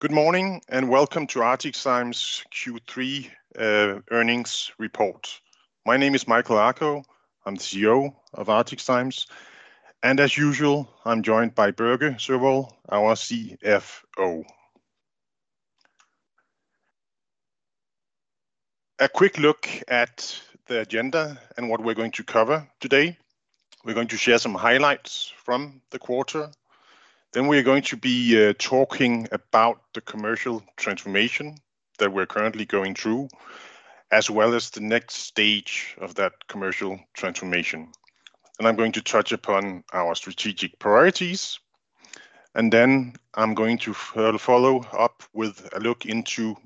Good morning, and welcome to ArcticZymes Q3 Earnings Report. My name is Michael Akoh. I'm the CEO of ArcticZymes, and as usual, I'm joined by Børge Sørvoll, our CFO. A quick look at the agenda and what we're going to cover today. We're going to share some highlights from the quarter. Then we're going to be talking about the commercial transformation that we're currently going through, as well as the next stage of that commercial transformation, and I'm going to touch upon our strategic priorities, and then I'm going to follow up with a look into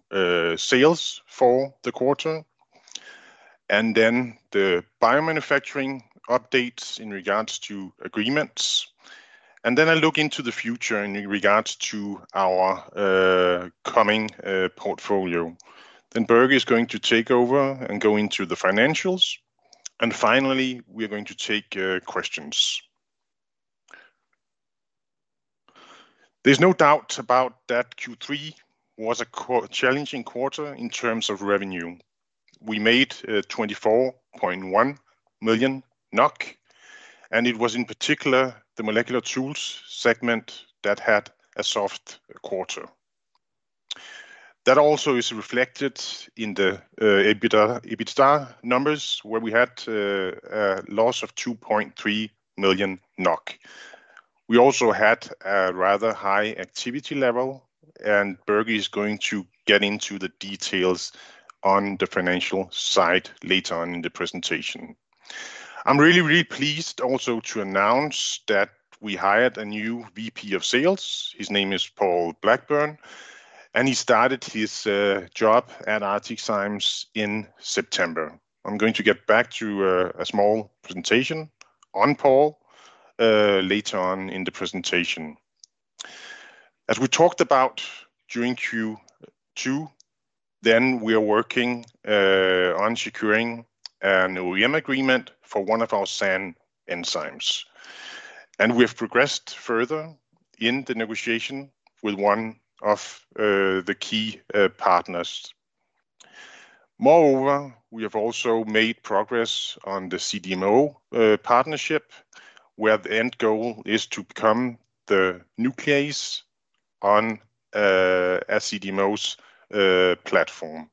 sales for the quarter, and then the biomanufacturing updates in regards to agreements, and then I'll look into the future in regards to our coming portfolio, then Børge is going to take over and go into the financials, and finally, we're going to take questions. There's no doubt about that Q3 was a challenging quarter in terms of revenue. We made 24.1 million NOK, and it was in particular the Molecular Tools segment that had a soft quarter. That also is reflected in the EBITDA numbers, where we had a loss of 2.3 million NOK. We also had a rather high activity level, and Børge is going to get into the details on the financial side later on in the presentation. I'm really, really pleased also to announce that we hired a new VP of Sales. His name is Paul Blackburn, and he started his job at ArcticZymes in September. I'm going to get back to a small presentation on Paul later on in the presentation. As we talked about during Q2, then we are working on securing an OEM agreement for one of our SAN enzymes, and we have progressed further in the negotiation with one of the key partners. Moreover, we have also made progress on the CDMO partnership, where the end goal is to become the nuclease on a CDMO's platform.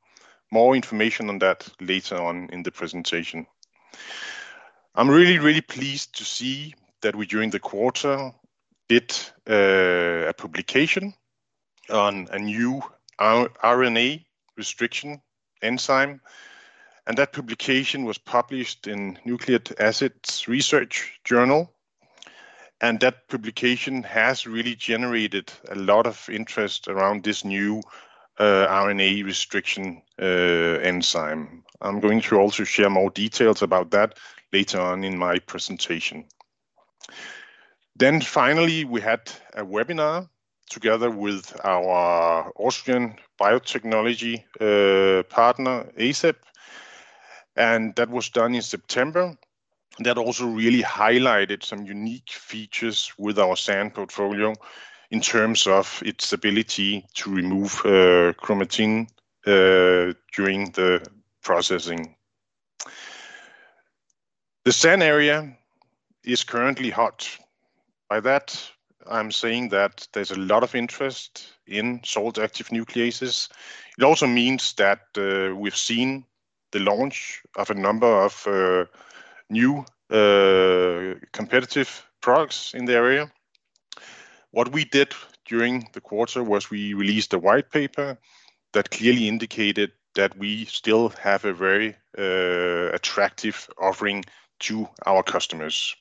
More information on that later on in the presentation. I'm really, really pleased to see that we during the quarter did a publication on a new RNA restriction enzyme, and that publication was published in Nucleic Acids Research, and that publication has really generated a lot of interest around this new RNA restriction enzyme. I'm going to also share more details about that later on in my presentation. Then finally, we had a webinar together with our Austrian biotechnology partner, acib, and that was done in September. That also really highlighted some unique features with our SAN portfolio in terms of its ability to remove chromatin during the processing. The SAN area is currently hot. By that, I'm saying that there's a lot of interest in salt-active nucleases. It also means that we've seen the launch of a number of new competitive products in the area. What we did during the quarter was we released a white paper that clearly indicated that we still have a very attractive offering to our customers.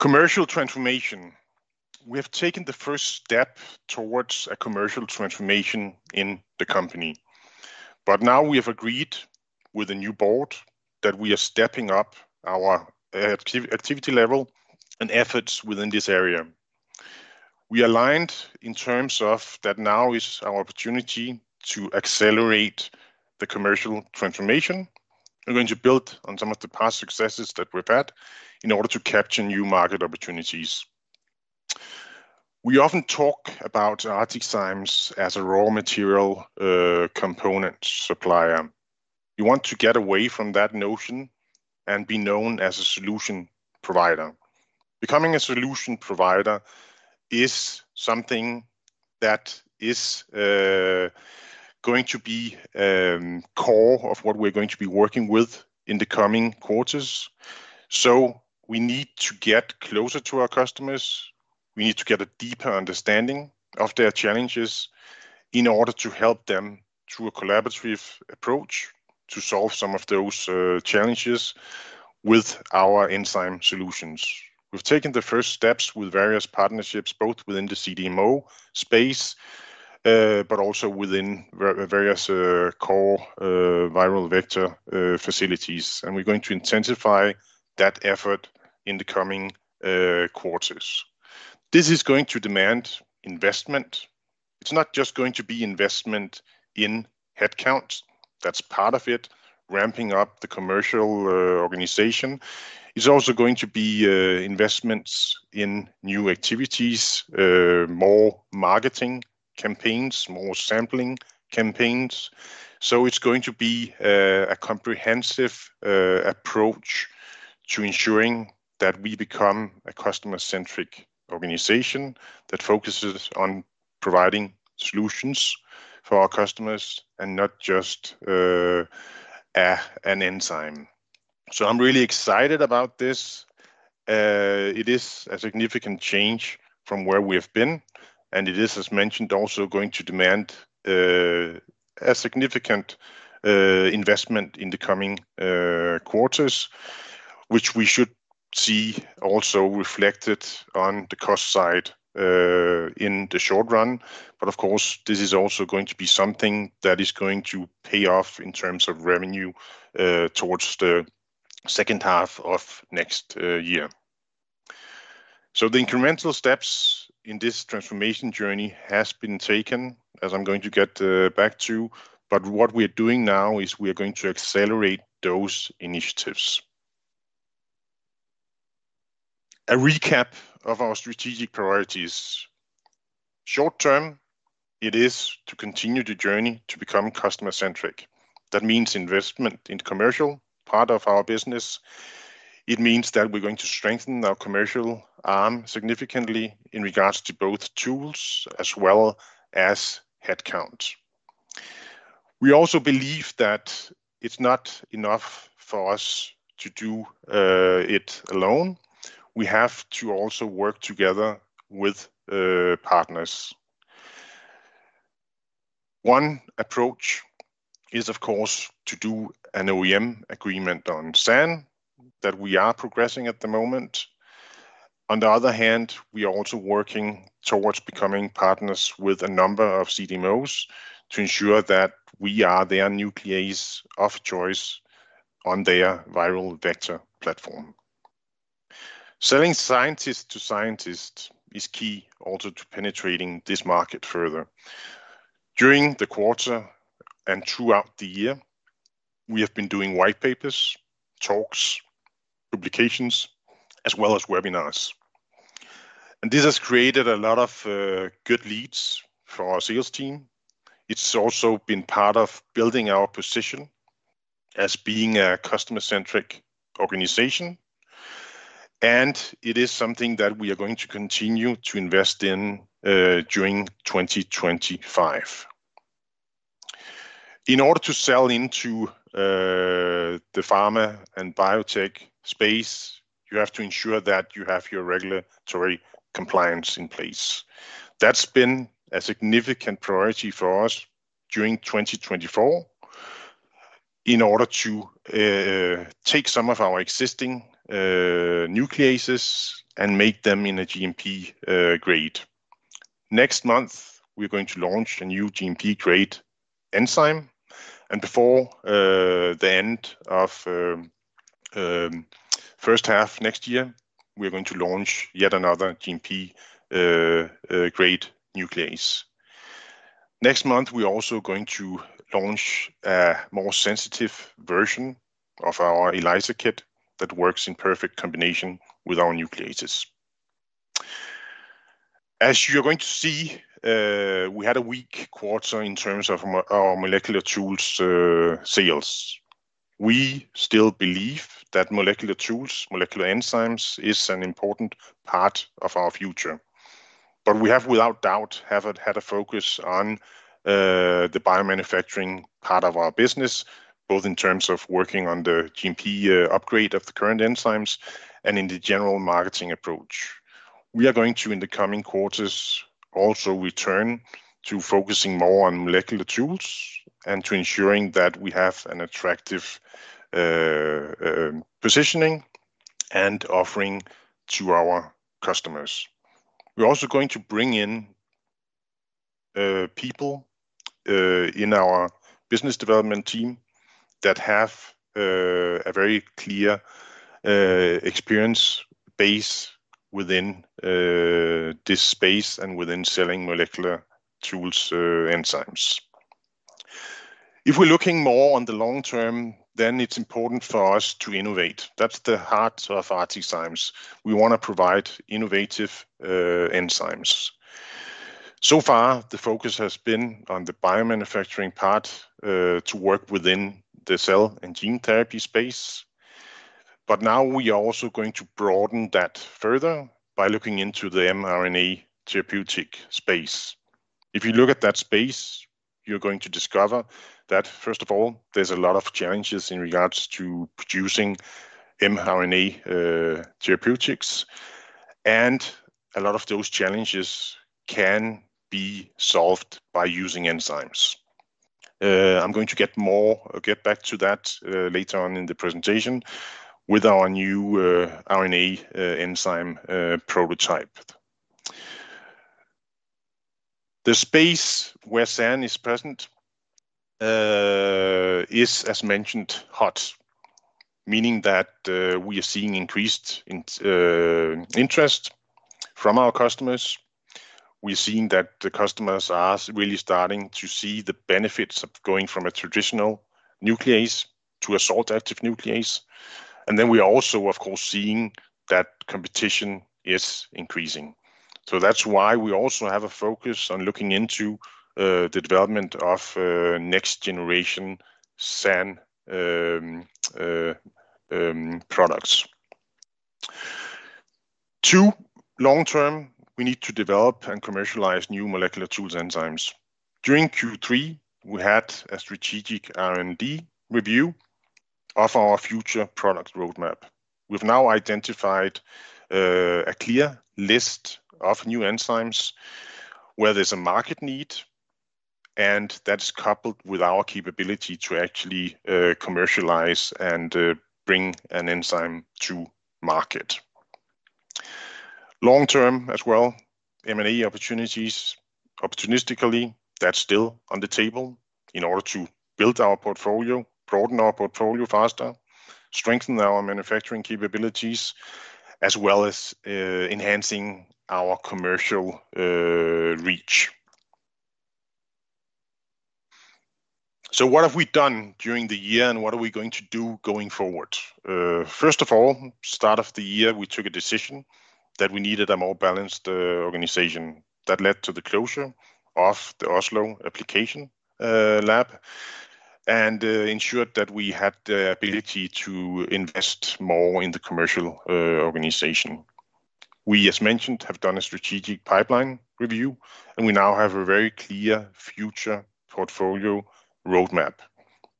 Commercial transformation. We have taken the first step towards a commercial transformation in the company, but now we have agreed with a new board that we are stepping up our activity level and efforts within this area. We aligned in terms of that now is our opportunity to accelerate the commercial transformation. We're going to build on some of the past successes that we've had in order to capture new market opportunities. We often talk about ArcticZymes as a raw material component supplier. We want to get away from that notion and be known as a solution provider. Becoming a solution provider is something that is going to be core of what we're going to be working with in the coming quarters. So we need to get closer to our customers. We need to get a deeper understanding of their challenges in order to help them through a collaborative approach to solve some of those challenges with our enzyme solutions. We've taken the first steps with various partnerships, both within the CDMO space, but also within various core viral vector facilities, and we're going to intensify that effort in the coming quarters. This is going to demand investment. It's not just going to be investment in headcount. That's part of it, ramping up the commercial organization. It's also going to be investments in new activities, more marketing campaigns, more sampling campaigns. So it's going to be a comprehensive approach to ensuring that we become a customer-centric organization that focuses on providing solutions for our customers and not just an enzyme. So I'm really excited about this. It is a significant change from where we have been, and it is, as mentioned, also going to demand a significant investment in the coming quarters, which we should see also reflected on the cost side in the short run. But of course, this is also going to be something that is going to pay off in terms of revenue towards the second half of next year. So the incremental steps in this transformation journey have been taken, as I'm going to get back to, but what we are doing now is we are going to accelerate those initiatives. A recap of our strategic priorities. Short term, it is to continue the journey to become customer-centric. That means investment in commercial, part of our business. It means that we're going to strengthen our commercial arm significantly in regards to both tools as well as headcount. We also believe that it's not enough for us to do it alone. We have to also work together with partners. One approach is, of course, to do an OEM agreement on SAN that we are progressing at the moment. On the other hand, we are also working towards becoming partners with a number of CDMOs to ensure that we are their nuclease of choice on their viral vector platform. Selling scientists to scientists is key also to penetrating this market further. During the quarter and throughout the year, we have been doing white papers, talks, publications, as well as webinars, and this has created a lot of good leads for our sales team. It's also been part of building our position as being a customer-centric organization, and it is something that we are going to continue to invest in during 2025. In order to sell into the pharma and biotech space, you have to ensure that you have your regulatory compliance in place. That's been a significant priority for us during 2024 in order to take some of our existing nucleases and make them in a GMP grade. Next month, we're going to launch a new GMP-grade enzyme, and before the end of the first half next year, we're going to launch yet another GMP-grade nuclease. Next month, we're also going to launch a more sensitive version of our ELISA kit that works in perfect combination with our nucleases. As you're going to see, we had a weak quarter in terms of our Molecular Tools sales. We still believe that Molecular Tools, molecular enzymes is an important part of our future, but we have without doubt had a focus on the biomanufacturing part of our business, both in terms of working on the GMP upgrade of the current enzymes and in the general marketing approach. We are going to, in the coming quarters, also return to focusing more on Molecular Tools and to ensuring that we have an attractive positioning and offering to our customers. We're also going to bring in people in our business development team that have a very clear experience base within this space and within selling Molecular Tools enzymes. If we're looking more on the long term, then it's important for us to innovate. That's the heart of ArcticZymes. We want to provide innovative enzymes. So far, the focus has been on the biomanufacturing part to work within the cell and gene therapy space, but now we are also going to broaden that further by looking into the mRNA therapeutic space. If you look at that space, you're going to discover that, first of all, there's a lot of challenges in regards to producing mRNA therapeutics, and a lot of those challenges can be solved by using enzymes. I'm going to get back to that later on in the presentation with our new RNA enzyme prototype. The space where SAN is present is, as mentioned, hot, meaning that we are seeing increased interest from our customers. We're seeing that the customers are really starting to see the benefits of going from a traditional nuclease to a salt-active nuclease, and then we are also, of course, seeing that competition is increasing. So that's why we also have a focus on looking into the development of next-generation SAN products. Long term, we need to develop and commercialize new Molecular Tools enzymes. During Q3, we had a strategic R&D review of our future product roadmap. We've now identified a clear list of new enzymes where there's a market need, and that's coupled with our capability to actually commercialize and bring an enzyme to market. Long term as well, M&A opportunities, opportunistically, that's still on the table in order to build our portfolio, broaden our portfolio faster, strengthen our manufacturing capabilities, as well as enhancing our commercial reach. So what have we done during the year, and what are we going to do going forward? First of all, start of the year, we took a decision that we needed a more balanced organization. That led to the closure of the Oslo application lab and ensured that we had the ability to invest more in the commercial organization. We, as mentioned, have done a strategic pipeline review, and we now have a very clear future portfolio roadmap.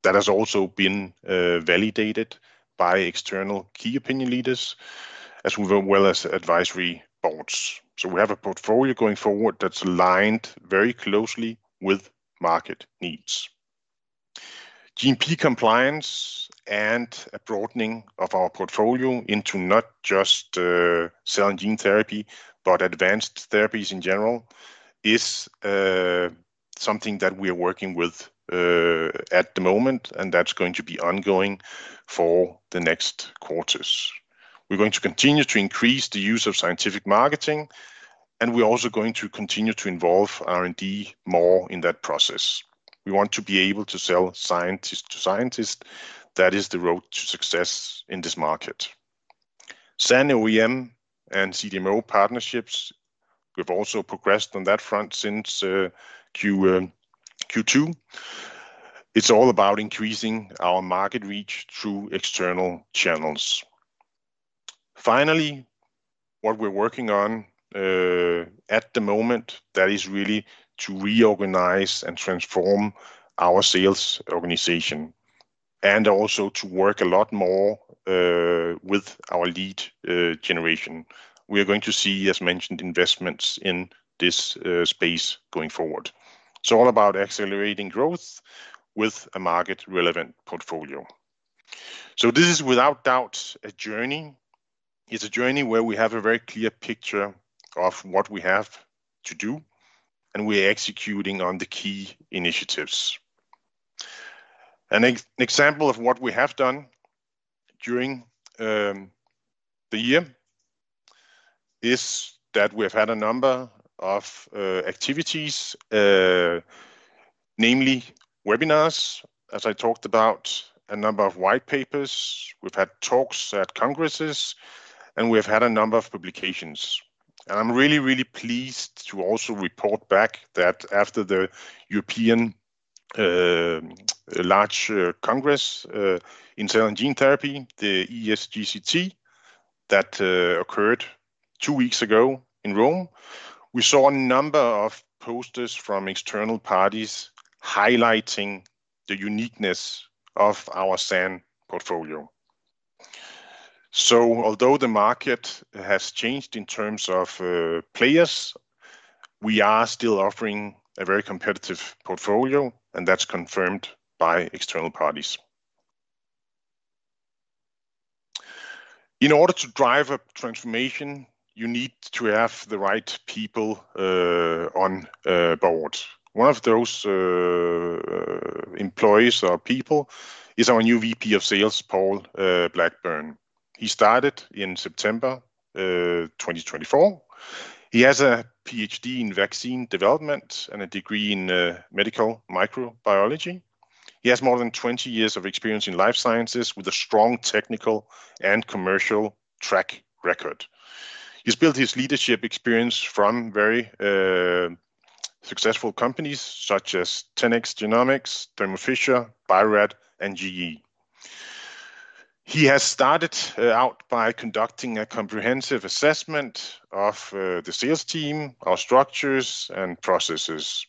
That has also been validated by external key opinion leaders as well as advisory boards. So we have a portfolio going forward that's aligned very closely with market needs. GMP compliance and a broadening of our portfolio into not just cell and gene therapy, but advanced therapies in general is something that we are working with at the moment, and that's going to be ongoing for the next quarters. We're going to continue to increase the use of scientific marketing, and we're also going to continue to involve R&D more in that process. We want to be able to sell scientist to scientist. That is the road to success in this market. SAN, OEM, and CDMO partnerships. We've also progressed on that front since Q2. It's all about increasing our market reach through external channels. Finally, what we're working on at the moment is really to reorganize and transform our sales organization and also to work a lot more with our lead generation. We are going to see, as mentioned, investments in this space going forward. It's all about accelerating growth with a market-relevant portfolio. So this is without doubt a journey. It's a journey where we have a very clear picture of what we have to do, and we're executing on the key initiatives. An example of what we have done during the year is that we have had a number of activities, namely webinars, as I talked about, a number of white papers. We've had talks at congresses, and we've had a number of publications, and I'm really, really pleased to also report back that after the European large congress in cell and gene therapy, the ESGCT that occurred two weeks ago in Rome, we saw a number of posters from external parties highlighting the uniqueness of our SAN portfolio, so although the market has changed in terms of players, we are still offering a very competitive portfolio, and that's confirmed by external parties. In order to drive a transformation, you need to have the right people on board. One of those employees or people is our new VP of Sales, Paul Blackburn. He started in September 2024. He has a PhD in vaccine development and a degree in medical microbiology. He has more than 20 years of experience in life sciences with a strong technical and commercial track record. He's built his leadership experience from very successful companies such as 10x Genomics, Thermo Fisher, Bio-Rad, and GE. He has started out by conducting a comprehensive assessment of the sales team, our structures, and processes,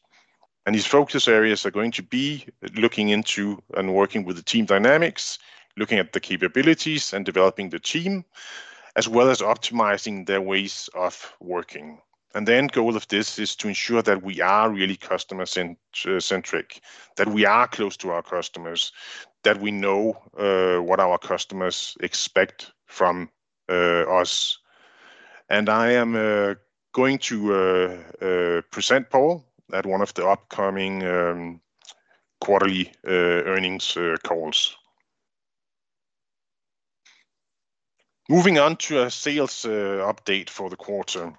and his focus areas are going to be looking into and working with the team dynamics, looking at the capabilities and developing the team, as well as optimizing their ways of working, and the end goal of this is to ensure that we are really customer-centric, that we are close to our customers, that we know what our customers expect from us, and I am going to present Paul at one of the upcoming quarterly earnings calls. Moving on to a sales update for the quarter.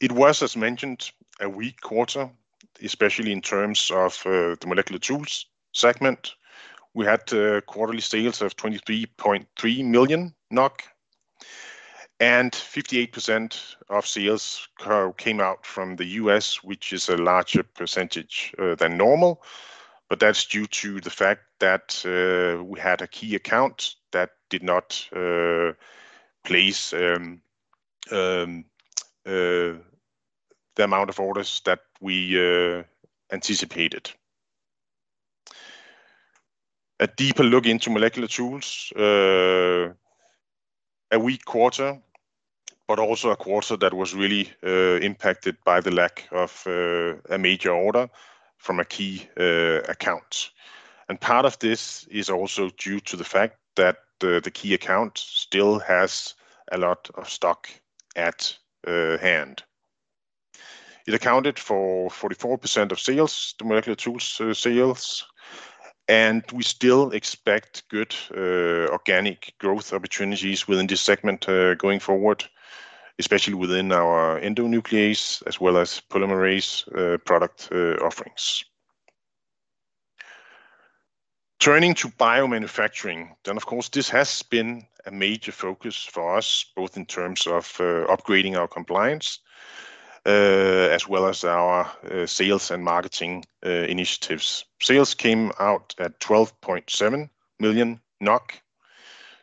It was, as mentioned, a weak quarter, especially in terms of the Molecular Tools segment. We had quarterly sales of 23.3 million NOK, and 58% of sales came out from the U.S., which is a larger percentage than normal, but that's due to the fact that we had a key account that did not place the amount of orders that we anticipated. A deeper look into Molecular Tools, a weak quarter, but also a quarter that was really impacted by the lack of a major order from a key account. And part of this is also due to the fact that the key account still has a lot of stock at hand. It accounted for 44% of sales, the Molecular Tools sales, and we still expect good organic growth opportunities within this segment going forward, especially within our endonuclease as well as polymerase product offerings. Turning to biomanufacturing, then, of course, this has been a major focus for us, both in terms of upgrading our compliance as well as our sales and marketing initiatives. Sales came out at 12.7 million NOK.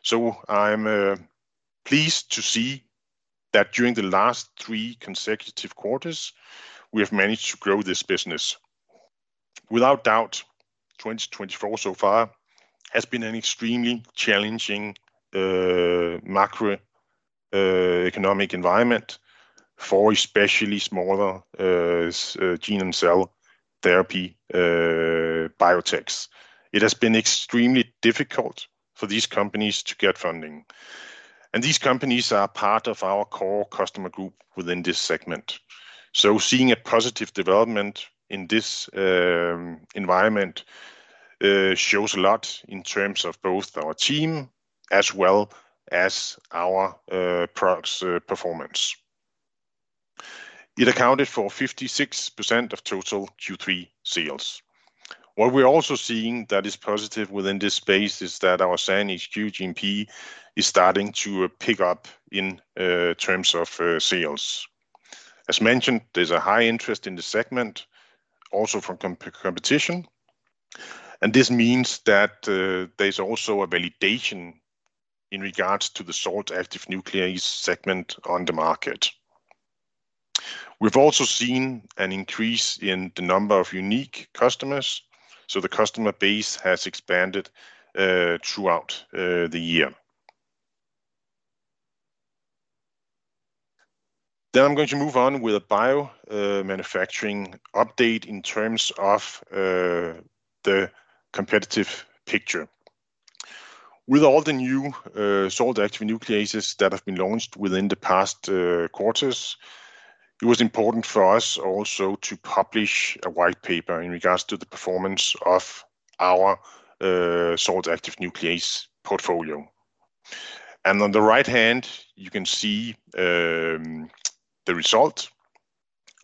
So I'm pleased to see that during the last three consecutive quarters, we have managed to grow this business. Without doubt, 2024 so far has been an extremely challenging macroeconomic environment for especially smaller gene and cell therapy biotechs. It has been extremely difficult for these companies to get funding, and these companies are part of our core customer group within this segment. Seeing a positive development in this environment shows a lot in terms of both our team as well as our product's performance. It accounted for 56% of total Q3 sales. What we're also seeing that is positive within this space is that our SAN HQ GMP is starting to pick up in terms of sales. As mentioned, there's a high interest in the segment also from competition, and this means that there's also a validation in regards to the salt-active nuclease segment on the market. We've also seen an increase in the number of unique customers, so the customer base has expanded throughout the year. I'm going to move on with a biomanufacturing update in terms of the competitive picture. With all the new salt-active nucleases that have been launched within the past quarters, it was important for us also to publish a white paper in regards to the performance of our salt-active nuclease portfolio. And on the right hand, you can see the result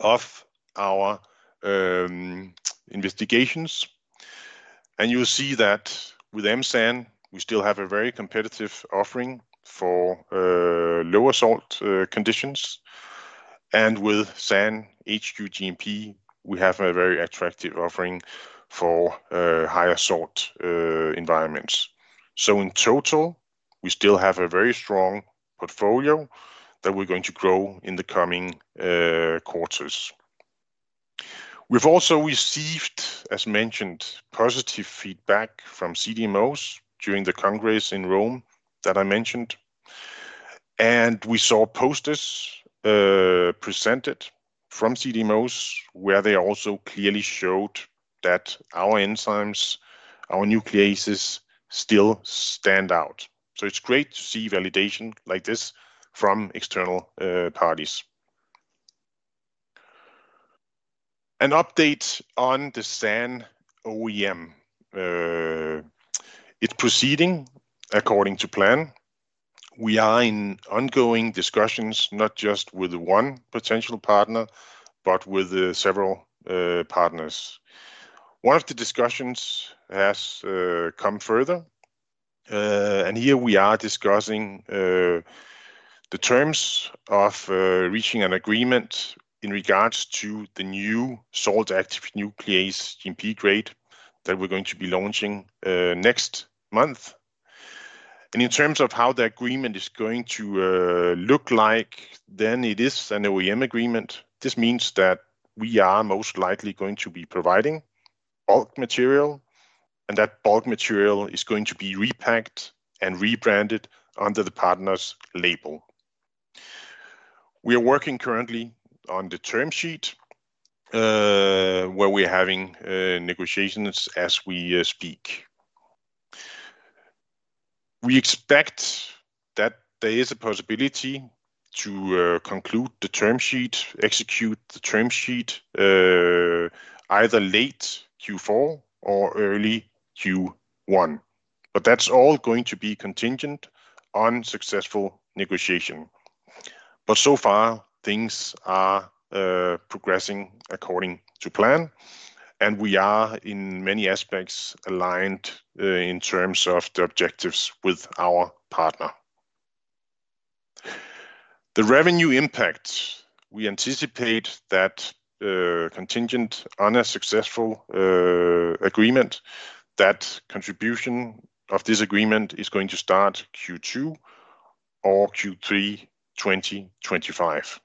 of our investigations, and you'll see that with M-SAN, we still have a very competitive offering for lower salt conditions, and with SAN HQ GMP, we have a very attractive offering for higher salt environments. So in total, we still have a very strong portfolio that we're going to grow in the coming quarters. We've also received, as mentioned, positive feedback from CDMOs during the congress in Rome that I mentioned, and we saw posters presented from CDMOs where they also clearly showed that our enzymes, our nucleases still stand out. So it's great to see validation like this from external parties. An update on the SAN OEM. It's proceeding according to plan. We are in ongoing discussions, not just with one potential partner, but with several partners. One of the discussions has come further, and here we are discussing the terms of reaching an agreement in regards to the new salt-active nuclease GMP grade that we're going to be launching next month, and in terms of how the agreement is going to look like, then it is an OEM agreement. This means that we are most likely going to be providing bulk material, and that bulk material is going to be repacked and rebranded under the partner's label. We are working currently on the term sheet where we're having negotiations as we speak. We expect that there is a possibility to conclude the term sheet, execute the term sheet either late Q4 or early Q1, but that's all going to be contingent on successful negotiation, but so far, things are progressing according to plan, and we are in many aspects aligned in terms of the objectives with our partner. The revenue impact, we anticipate that contingent on a successful agreement, that contribution of this agreement is going to start Q2 or Q3 2025,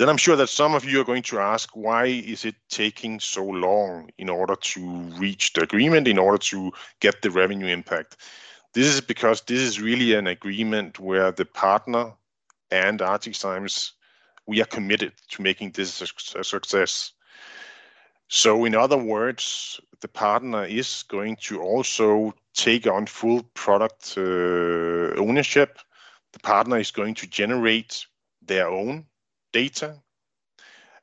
then I'm sure that some of you are going to ask, "Why is it taking so long in order to reach the agreement, in order to get the revenue impact?" This is because this is really an agreement where the partner and ArcticZymes, we are committed to making this a success, so in other words, the partner is going to also take on full product ownership. The partner is going to generate their own data,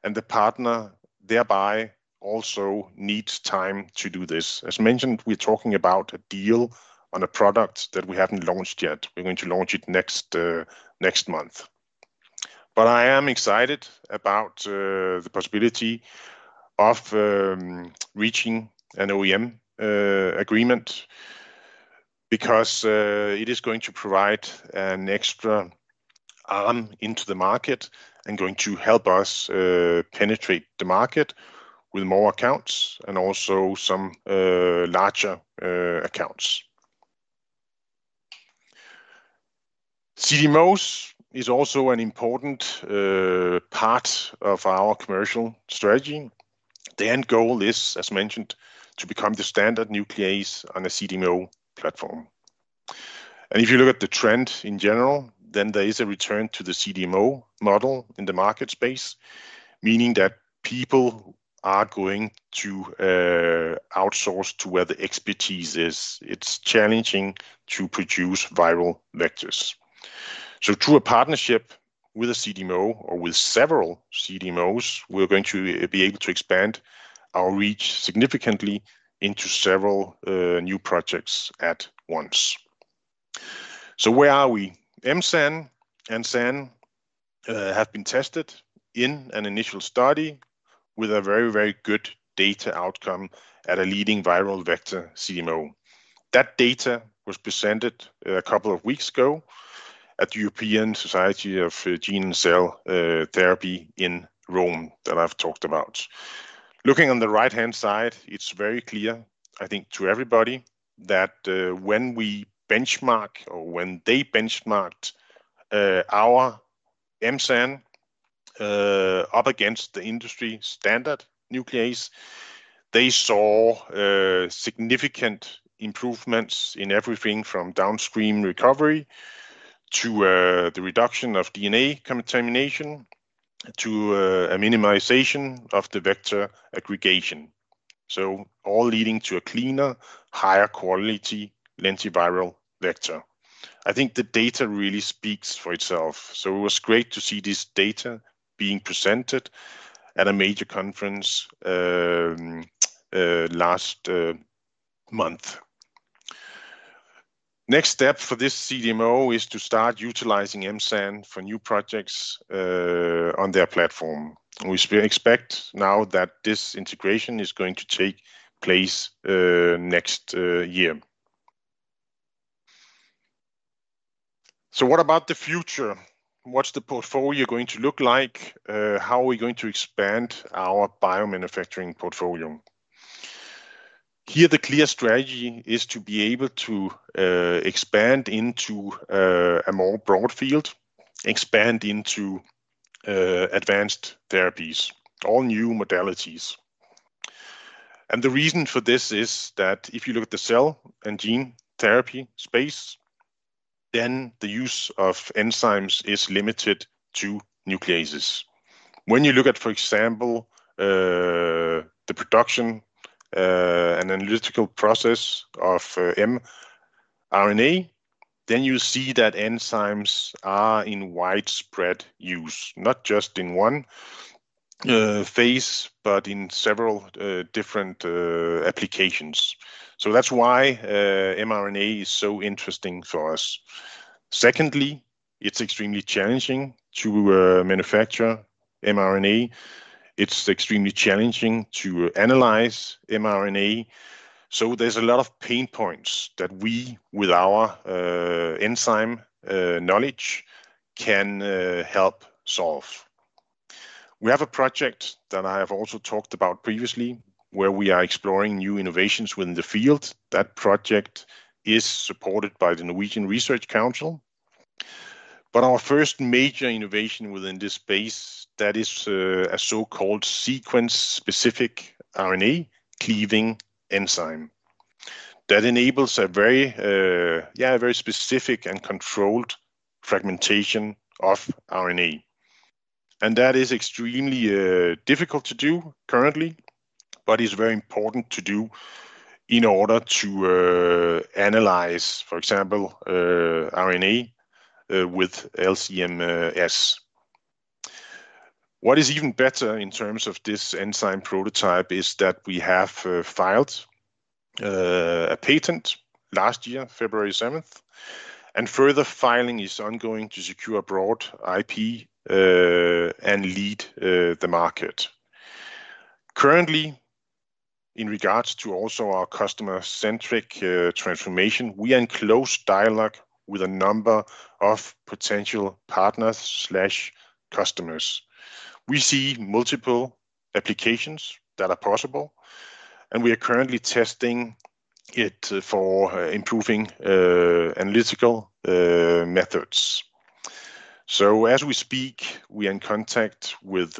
and the partner thereby also needs time to do this. As mentioned, we're talking about a deal on a product that we haven't launched yet. We're going to launch it next month. But I am excited about the possibility of reaching an OEM agreement because it is going to provide an extra arm into the market and going to help us penetrate the market with more accounts and also some larger accounts. CDMOs is also an important part of our commercial strategy. The end goal is, as mentioned, to become the standard nuclease on a CDMO platform. And if you look at the trend in general, then there is a return to the CDMO model in the market space, meaning that people are going to outsource to where the expertise is. It's challenging to produce viral vectors. Through a partnership with a CDMO or with several CDMOs, we're going to be able to expand our reach significantly into several new projects at once. Where are we? M-SAN and SAN have been tested in an initial study with a very, very good data outcome at a leading viral vector CDMO. That data was presented a couple of weeks ago at the European Society of Gene and Cell Therapy in Rome that I've talked about. Looking on the right-hand side, it's very clear, I think, to everybody that when we benchmark or when they benchmarked our M-SAN up against the industry standard nuclease, they saw significant improvements in everything from downstream recovery to the reduction of DNA contamination to a minimization of the vector aggregation. All leading to a cleaner, higher quality lentiviral vector. I think the data really speaks for itself. It was great to see this data being presented at a major conference last month. Next step for this CDMO is to start utilizing M-SAN for new projects on their platform. We expect now that this integration is going to take place next year. What about the future? What's the portfolio going to look like? How are we going to expand our biomanufacturing portfolio? Here, the clear strategy is to be able to expand into a more broad field, expand into advanced therapies, all new modalities. The reason for this is that if you look at the cell and gene therapy space, then the use of enzymes is limited to nucleases. When you look at, for example, the production and analytical process of mRNA, then you see that enzymes are in widespread use, not just in one phase, but in several different applications. So that's why mRNA is so interesting for us. Secondly, it's extremely challenging to manufacture mRNA. It's extremely challenging to analyze mRNA. So there's a lot of pain points that we, with our enzyme knowledge, can help solve. We have a project that I have also talked about previously where we are exploring new innovations within the field. That project is supported by The Research Council of Norway. But our first major innovation within this space, that is a so-called sequence-specific RNA cleaving enzyme. That enables a very specific and controlled fragmentation of RNA. And that is extremely difficult to do currently, but it's very important to do in order to analyze, for example, RNA with LC-MS. What is even better in terms of this enzyme prototype is that we have filed a patent last year, February 7th, and further filing is ongoing to secure broad IP and lead the market. Currently, in regards to also our customer-centric transformation, we are in close dialogue with a number of potential partners/customers. We see multiple applications that are possible, and we are currently testing it for improving analytical methods. So as we speak, we are in contact with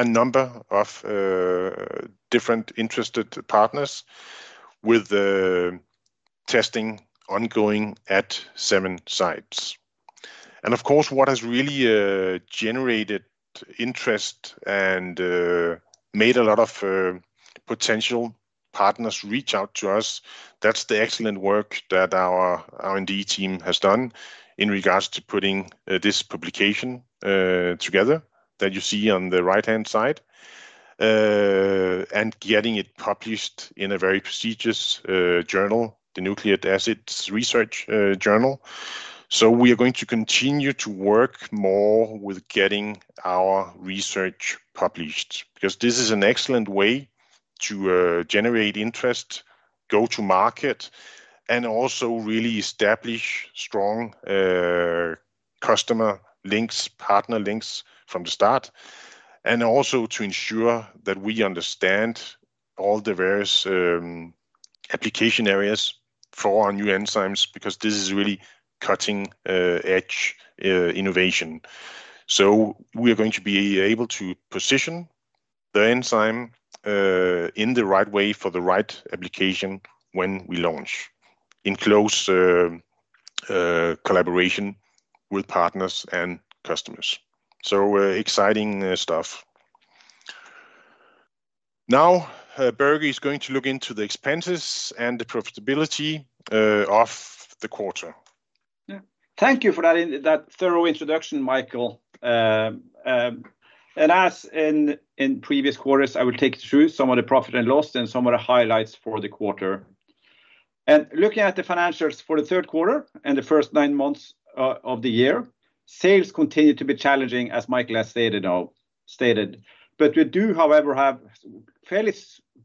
a number of different interested partners with testing ongoing at seven sites. And of course, what has really generated interest and made a lot of potential partners reach out to us, that's the excellent work that our R&D team has done in regards to putting this publication together that you see on the right-hand side and getting it published in a very prestigious journal, Nucleic Acids Research. We are going to continue to work more with getting our research published because this is an excellent way to generate interest, go to market, and also really establish strong customer links, partner links from the start, and also to ensure that we understand all the various application areas for our new enzymes because this is really cutting-edge innovation. We are going to be able to position the enzyme in the right way for the right application when we launch in close collaboration with partners and customers. Exciting stuff. Now, Børge is going to look into the expenses and the profitability of the quarter. Thank you for that thorough introduction, Michael. As in previous quarters, I will take you through some of the profit and loss and some of the highlights for the quarter. Looking at the financials for the third quarter and the first nine months of the year, sales continue to be challenging, as Michael has stated. We do, however, have fairly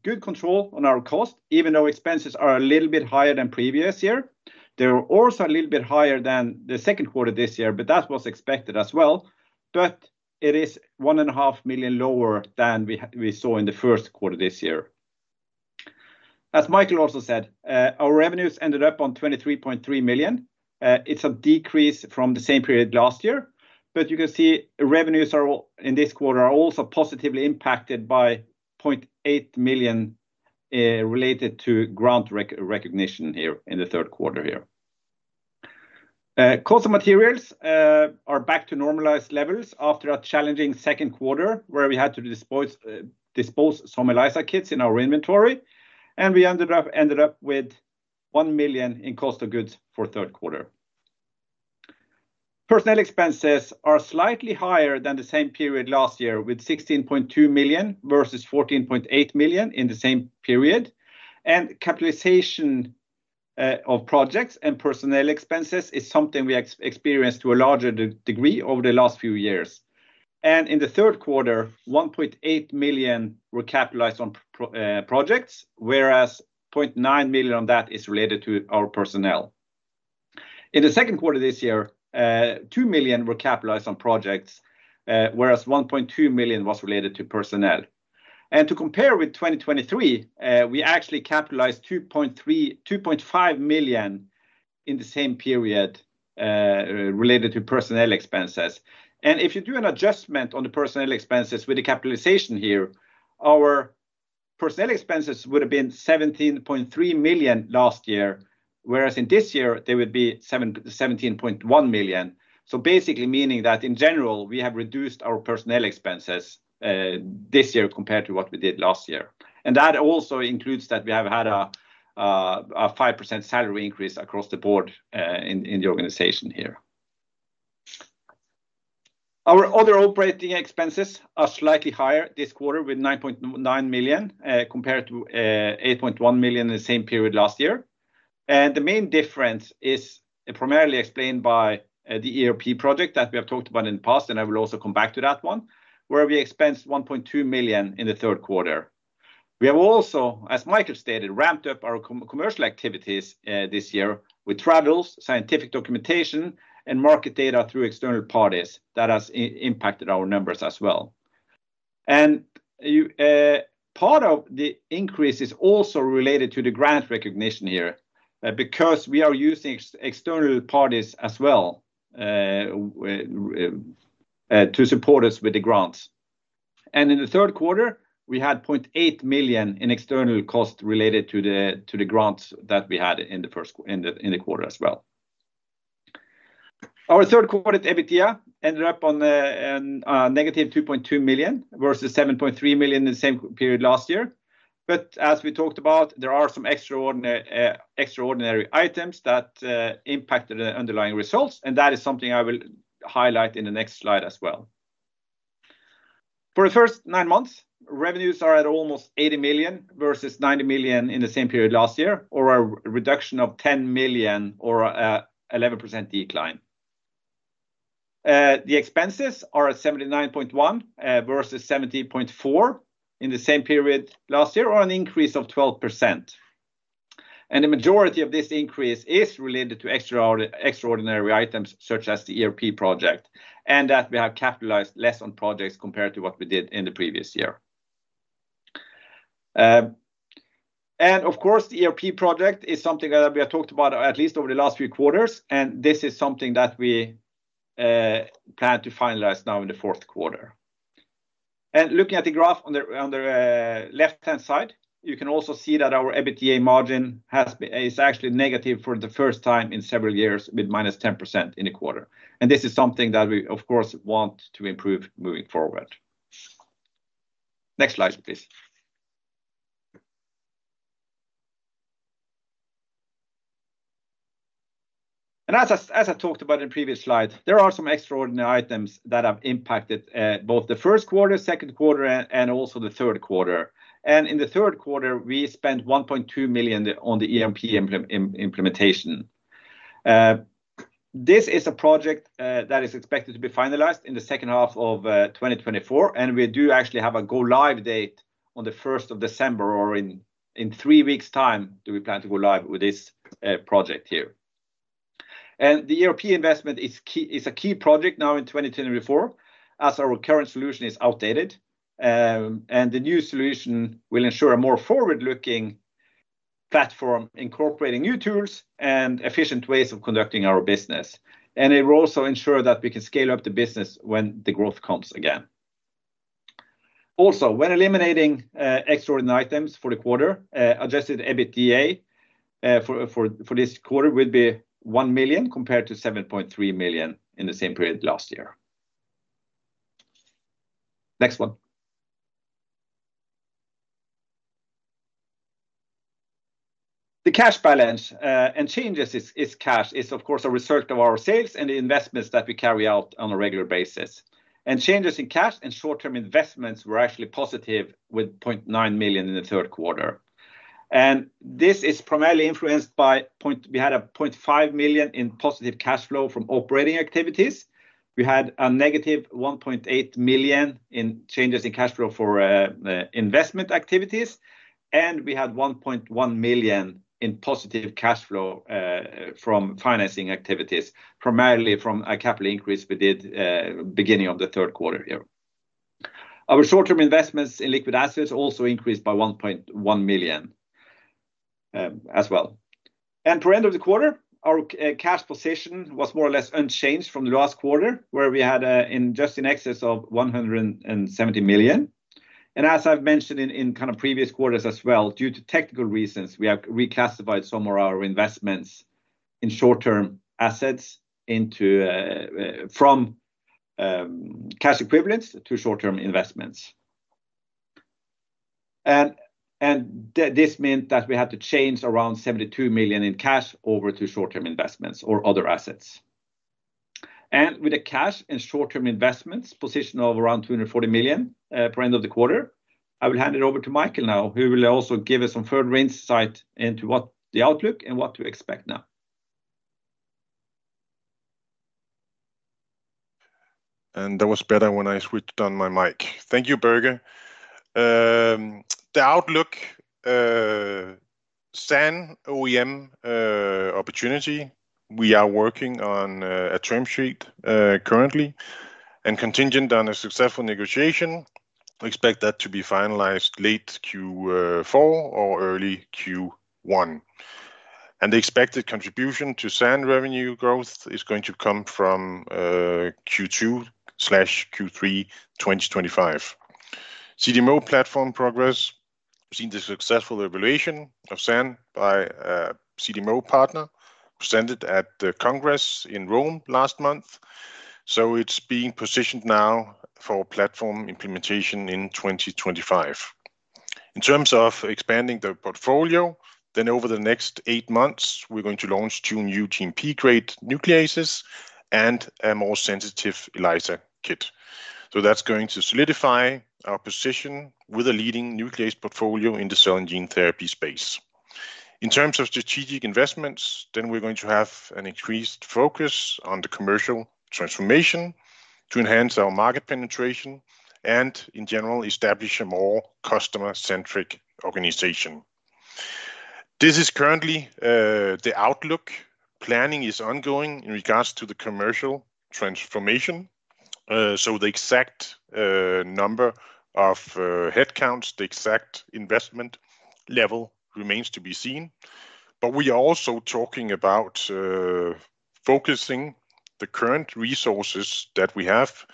good control on our costs, even though expenses are a little bit higher than previous year. They are also a little bit higher than the second quarter this year, but that was expected as well. It is 1.5 million lower than we saw in the first quarter this year. As Michael also said, our revenues ended up at 23.3 million. It is a decrease from the same period last year. You can see revenues in this quarter are also positively impacted by 0.8 million related to grant recognition here in the third quarter. Cost of materials are back to normalized levels after a challenging second quarter where we had to dispose of some ELISA kits in our inventory, and we ended up with 1 million in cost of goods for third quarter. Personnel expenses are slightly higher than the same period last year with 16.2 million versus 14.8 million in the same period. Capitalization of projects and personnel expenses is something we experienced to a larger degree over the last few years. In the third quarter, 1.8 million were capitalized on projects, whereas 0.9 million on that is related to our personnel. In the second quarter this year, 2 million were capitalized on projects, whereas 1.2 million was related to personnel. To compare with 2023, we actually capitalized 2.5 million in the same period related to personnel expenses. If you do an adjustment on the personnel expenses with the capitalization here, our personnel expenses would have been 17.3 million last year, whereas in this year, they would be 17.1 million. So basically meaning that in general, we have reduced our personnel expenses this year compared to what we did last year. And that also includes that we have had a 5% salary increase across the board in the organization here. Our other operating expenses are slightly higher this quarter with 9.9 million compared to 8.1 million in the same period last year. And the main difference is primarily explained by the ERP project that we have talked about in the past, and I will also come back to that one, where we expensed 1.2 million in the third quarter. We have also, as Michael stated, ramped up our commercial activities this year with travels, scientific documentation, and market data through external parties that has impacted our numbers as well. Part of the increase is also related to the grant recognition here because we are using external parties as well to support us with the grants. In the third quarter, we had 0.8 million in external cost related to the grants that we had in the first quarter as well. Our third quarter EBITDA ended up on a -2.2 million versus 7.3 million in the same period last year. As we talked about, there are some extraordinary items that impacted the underlying results, and that is something I will highlight in the next slide as well. For the first nine months, revenues are at almost 80 million versus 90 million in the same period last year, or a reduction of 10 million or an 11% decline. The expenses are at 79.1 versus 70.4 in the same period last year, or an increase of 12%. And the majority of this increase is related to extraordinary items such as the ERP project and that we have capitalized less on projects compared to what we did in the previous year. And of course, the ERP project is something that we have talked about at least over the last few quarters, and this is something that we plan to finalize now in the fourth quarter. And looking at the graph on the left-hand side, you can also see that our EBITDA margin is actually negative for the first time in several years with -10% in the quarter. This is something that we, of course, want to improve moving forward. Next slide, please. As I talked about in the previous slide, there are some extraordinary items that have impacted both the first quarter, second quarter, and also the third quarter. In the third quarter, we spent 1.2 million on the ERP implementation. This is a project that is expected to be finalized in the second half of 2024, and we do actually have a go-live date on the 1st of December, or in three weeks' time do we plan to go live with this project here. The ERP investment is a key project now in 2024 as our current solution is outdated. The new solution will ensure a more forward-looking platform incorporating new tools and efficient ways of conducting our business. It will also ensure that we can scale up the business when the growth comes again. Also, when eliminating extraordinary items for the quarter, adjusted EBITDA for this quarter would be 1 million compared to 7.3 million in the same period last year. Next one. The cash balance and changes in cash is, of course, a result of our sales and the investments that we carry out on a regular basis. Changes in cash and short-term investments were actually positive with 0.9 million in the third quarter. This is primarily influenced by we had 0.5 million in positive cash flow from operating activities. We had a negative 1.8 million in changes in cash flow for investment activities, and we had 1.1 million in positive cash flow from financing activities, primarily from a capital increase we did beginning of the third quarter here. Our short-term investments in liquid assets also increased by 1.1 million as well. And per end of the quarter, our cash position was more or less unchanged from the last quarter, where we had just in excess of 170 million. And as I've mentioned in kind of previous quarters as well, due to technical reasons, we have reclassified some of our investments in short-term assets from cash equivalents to short-term investments. And this meant that we had to change around 72 million in cash over to short-term investments or other assets. And with the cash and short-term investments position of around 240 million per end of the quarter, I will hand it over to Michael now, who will also give us some further insight into what the outlook and what to expect now. And that was better when I switched on my mic. Thank you, Børge. The outlook, SAN OEM opportunity, we are working on a term sheet currently, and contingent on a successful negotiation. We expect that to be finalized late Q4 or early Q1, and the expected contribution to SAN revenue growth is going to come from Q2/Q3 2025. CDMO platform progress has seen the successful evaluation of SAN by a CDMO partner presented at the Congress in Rome last month, so it's being positioned now for platform implementation in 2025. In terms of expanding the portfolio, then over the next eight months, we're going to launch two new GMP-grade nucleases and a more sensitive ELISA kit, so that's going to solidify our position with a leading nuclease portfolio in the cell and gene therapy space. In terms of strategic investments, then we're going to have an increased focus on the commercial transformation to enhance our market penetration and, in general, establish a more customer-centric organization. This is currently the outlook. Planning is ongoing in regards to the commercial transformation. So the exact number of headcounts, the exact investment level remains to be seen. But we are also talking about focusing the current resources that we have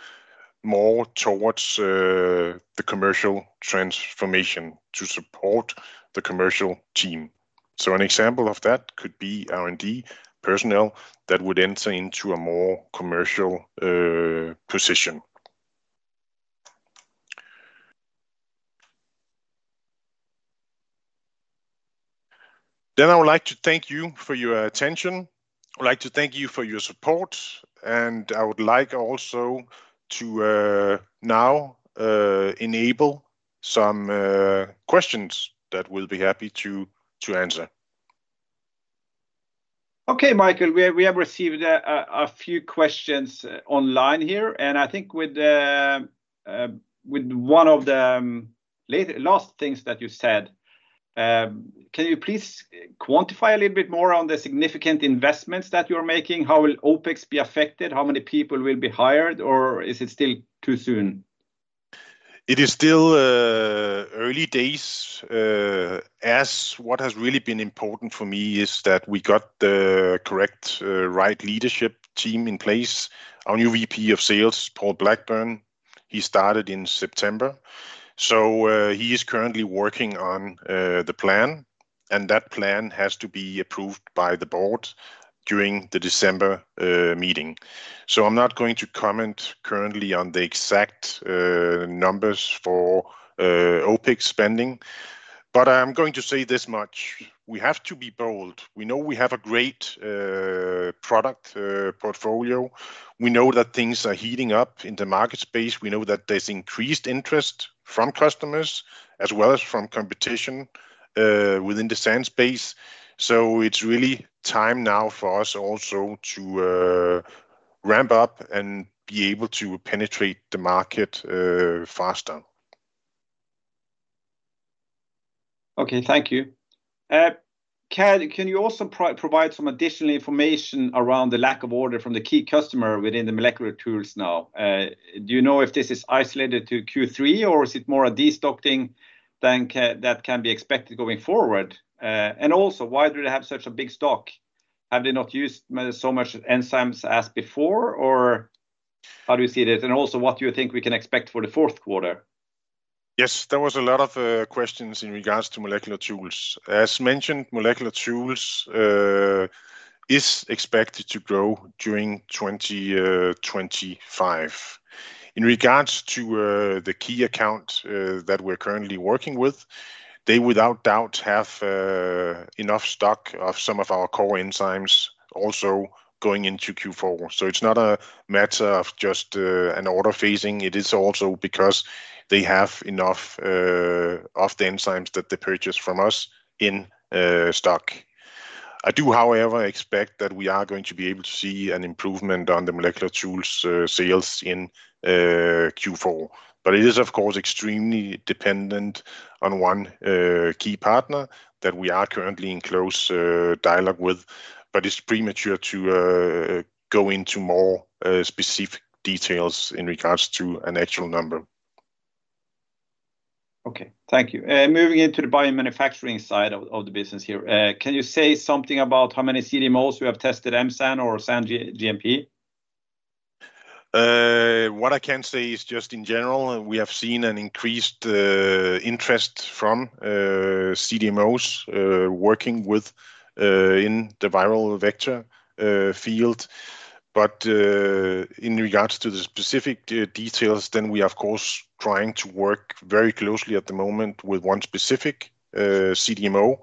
more towards the commercial transformation to support the commercial team. So an example of that could be R&D personnel that would enter into a more commercial position. Then I would like to thank you for your attention. I would like to thank you for your support, and I would like also to now enable some questions that we'll be happy to answer. Okay, Michael, we have received a few questions online here, and I think with one of the last things that you said, can you please quantify a little bit more on the significant investments that you're making? How will OpEx be affected? How many people will be hired, or is it still too soon? It is still early days. As what has really been important for me is that we got the correct, right leadership team in place. Our new VP of Sales, Paul Blackburn, he started in September. So he is currently working on the plan, and that plan has to be approved by the board during the December meeting. So I'm not going to comment currently on the exact numbers for OpEx spending, but I'm going to say this much. We have to be bold. We know we have a great product portfolio. We know that things are heating up in the market space. We know that there's increased interest from customers as well as from competition within the SAN space. So it's really time now for us also to ramp up and be able to penetrate the market faster. Okay, thank you. Can you also provide some additional information around the lack of order from the key customer within the Molecular Tools now? Do you know if this is isolated to Q3, or is it more a destocking that can be expected going forward? And also, why do they have such a big stock? Have they not used so much enzymes as before, or how do you see it? And also, what do you think we can expect for the fourth quarter? Yes, there were a lot of questions in regards to Molecular Tools. As mentioned, Molecular Tools is expected to grow during 2025. In regards to the key account that we're currently working with, they without doubt have enough stock of some of our core enzymes also going into Q4. So it's not a matter of just an order phasing. It is also because they have enough of the enzymes that they purchase from us in stock. I do, however, expect that we are going to be able to see an improvement on the Molecular Tools sales in Q4. But it is, of course, extremely dependent on one key partner that we are currently in close dialogue with, but it's premature to go into more specific details in regards to an actual number. Okay, thank you. Moving into the biomanufacturing side of the business here, can you say something about how many CDMOs we have tested M-SAN or SAN GMP? What I can say is just in general, we have seen an increased interest from CDMOs working within the viral vector field, but in regards to the specific details, then we are, of course, trying to work very closely at the moment with one specific CDMO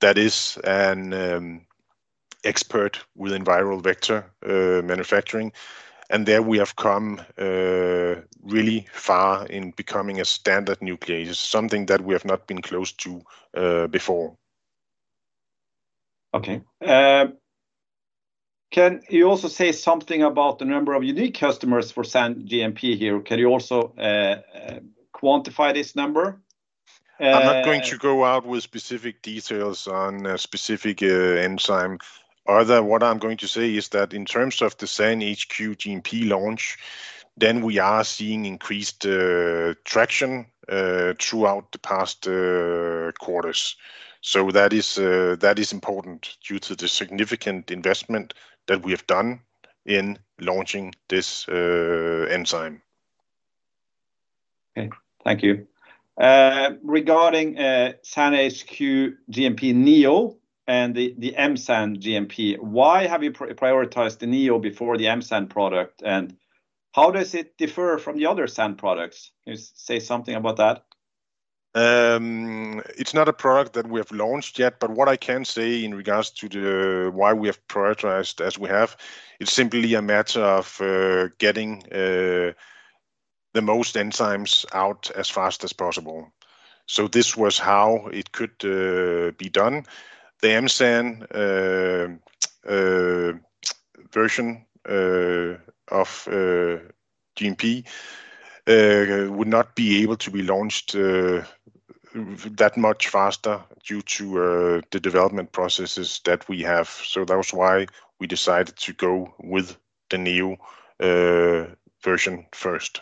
that is an expert within viral vector manufacturing, and there we have come really far in becoming a standard nuclease, something that we have not been close to before. Okay. Can you also say something about the number of unique customers for SAN GMP here? Can you also quantify this number? I'm not going to go out with specific details on a specific enzyme. What I'm going to say is that in terms of the SAN HQ GMP launch, then we are seeing increased traction throughout the past quarters. That is important due to the significant investment that we have done in launching this enzyme. Okay, thank you. Regarding SAN HQ GMP neo and the M-SAN GMP, why have you prioritized the neo before the M-SAN product? And how does it differ from the other SAN products? Can you say something about that? It's not a product that we have launched yet, but what I can say in regards to why we have prioritized as we have, it's simply a matter of getting the most enzymes out as fast as possible. This was how it could be done. The M-SAN version of GMP would not be able to be launched that much faster due to the development processes that we have. That was why we decided to go with the neo version first.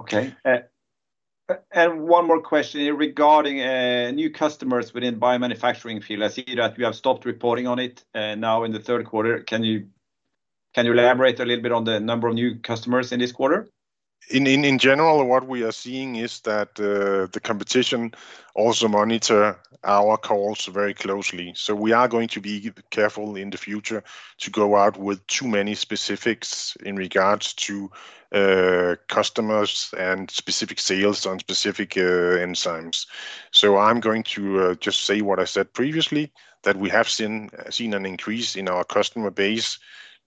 Okay. And one more question regarding new customers within the biomanufacturing field. I see that we have stopped reporting on it now in the third quarter. Can you elaborate a little bit on the number of new customers in this quarter? In general, what we are seeing is that the competition also monitors our calls very closely. So we are going to be careful in the future to go out with too many specifics in regards to customers and specific sales on specific enzymes. So I'm going to just say what I said previously, that we have seen an increase in our customer base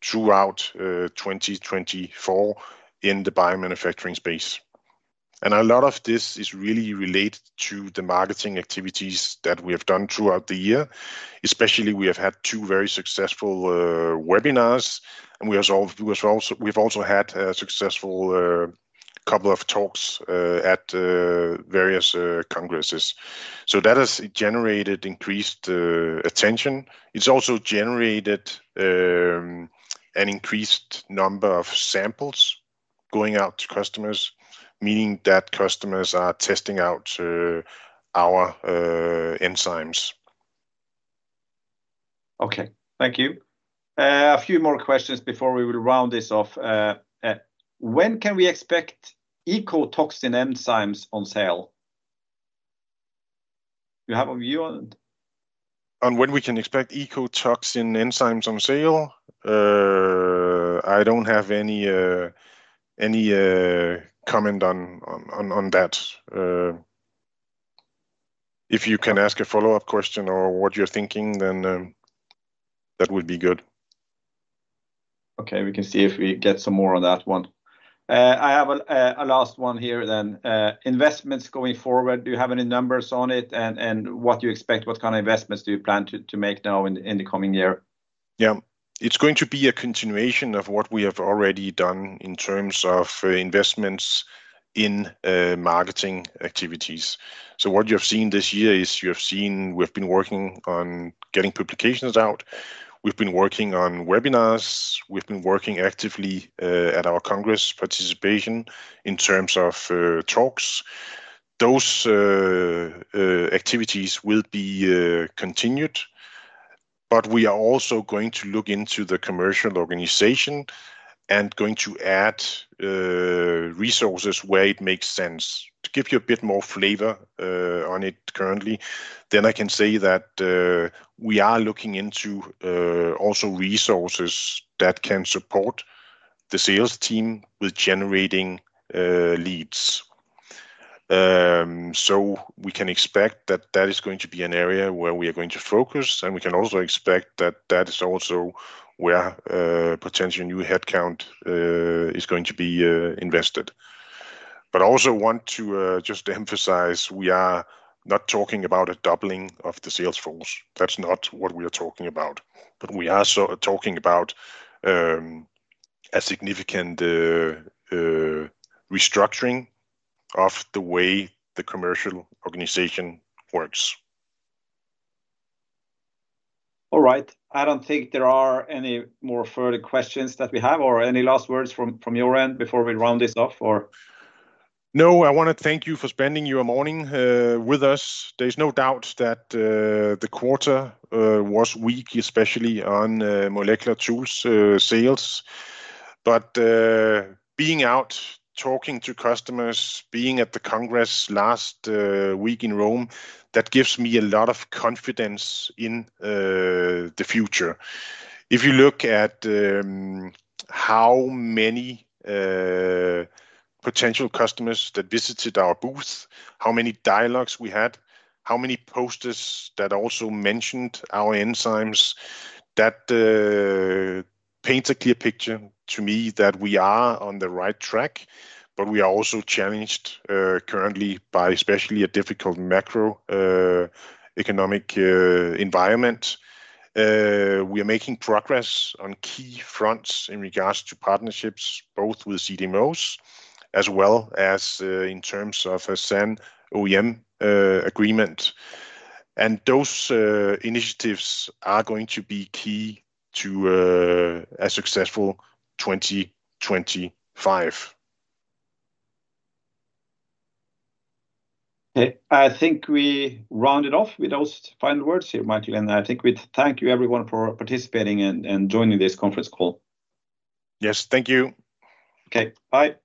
throughout 2024 in the bio-manufacturing space. And a lot of this is really related to the marketing activities that we have done throughout the year. Especially, we have had two very successful webinars, and we have also had a successful couple of talks at various congresses. So that has generated increased attention. It's also generated an increased number of samples going out to customers, meaning that customers are testing out our enzymes. Okay, thank you. A few more questions before we will round this off. When can we expect ecotoxin enzymes on sale? Do you have a view on it? On when we can expect ecotoxin enzymes on sale? I don't have any comment on that. If you can ask a follow-up question or what you're thinking, then that would be good. Okay, we can see if we get some more on that one. I have a last one here then. Investments going forward, do you have any numbers on it and what you expect? What kind of investments do you plan to make now in the coming year? Yeah. It's going to be a continuation of what we have already done in terms of investments in marketing activities. So what you've seen this year is you've seen we've been working on getting publications out. We've been working on webinars. We've been working actively at our congress participation in terms of talks. Those activities will be continued, but we are also going to look into the commercial organization and going to add resources where it makes sense. To give you a bit more flavor on it currently, then I can say that we are looking into also resources that can support the sales team with generating leads. So we can expect that that is going to be an area where we are going to focus, and we can also expect that that is also where potentially new headcount is going to be invested. But I also want to just emphasize we are not talking about a doubling of the sales force. That's not what we are talking about. But we are talking about a significant restructuring of the way the commercial organization works. All right. I don't think there are any more further questions that we have or any last words from your end before we round this off, or? No, I want to thank you for spending your morning with us. There's no doubt that the quarter was weak, especially on Molecular Tools sales. But being out talking to customers, being at the congress last week in Rome, that gives me a lot of confidence in the future. If you look at how many potential customers that visited our booth, how many dialogues we had, how many posters that also mentioned our enzymes, that paints a clear picture to me that we are on the right track, but we are also challenged currently by especially a difficult macroeconomic environment. We are making progress on key fronts in regards to partnerships, both with CDMOs as well as in terms of a SAN OEM agreement, and those initiatives are going to be key to a successful 2025. I think we rounded off with those final words here, Michael, and I think we thank you everyone for participating and joining this conference call. Yes, thank you. Okay, bye.